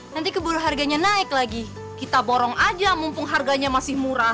nanti keburu harganya naik lagi kita borong aja mumpung harganya masih murah